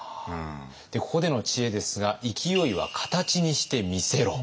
ここでの知恵ですが「勢いは形にして見せろ！」。